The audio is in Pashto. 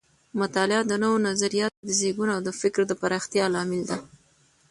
مطالعه د نوو نظریاتو د زیږون او د فکر د پراختیا لامل ده.